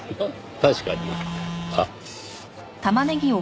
確かに。